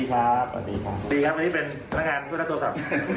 จุดดีครับนี่เป็นท่านก่อนครับ